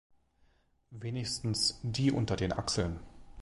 Wenigstens die unter den Achseln.